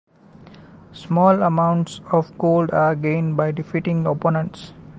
Small amounts of gold are gained by defeating opponents.